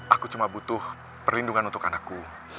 aku cuma butuh perlindungan untuk anakku